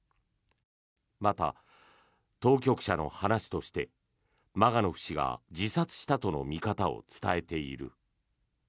また、当局者の話としてマガノフ氏が自殺したとの見方を伝えている。